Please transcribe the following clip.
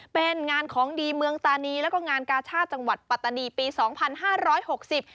เป็นงานของดีเมืองตานีแล้วก็งานกาชาติจังหวัดปัตตานีปีสองพันห้าร้อยหกสิบ